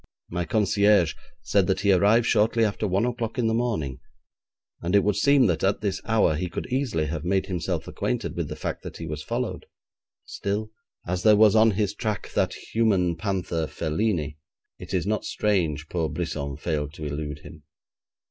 My concierge said that he arrived shortly after one o'clock in the morning, and it would seem that at this hour he could easily have made himself acquainted with the fact that he was followed. Still, as there was on his track that human panther, Felini, it is not strange poor Brisson failed to elude him.